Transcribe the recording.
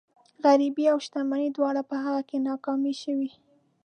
غريبي او شتمني دواړه په هغه کې ناکامې شوي.